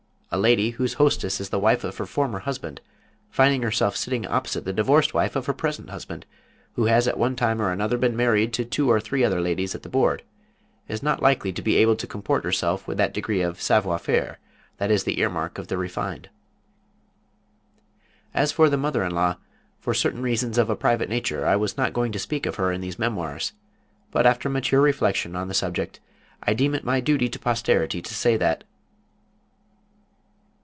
A lady whose hostess is the wife of her former husband, finding herself sitting opposite the divorced wife of her present husband, who has at one time or another been married to two or three other ladies at the board, is not likely to be able to comport herself with that degree of savoir faire that is the ear mark of the refined.... As for the mother in law, for certain reasons of a private nature I was not going to speak of her in these memoirs, but after mature reflection upon the subject I deem it my duty to posterity to say that....